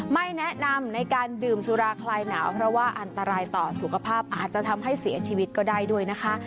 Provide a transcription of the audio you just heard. ไม่แนะนำในการดื่มสุราคลายหนาวเพราะว่าอันตรายต่อสุขภาพอาจจะทำให้เสียชีวิตก็ได้ด้วยนะคะ